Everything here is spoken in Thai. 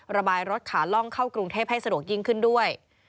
ระบายรถขาล่องเข้ากรุงเทพให้สะดวกยิ่งขึ้นด้วย